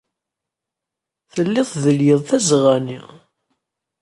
Telliḍ tdellgeḍ tazeɣɣa-nni.